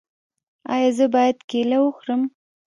ایا زه باید کیله وخورم؟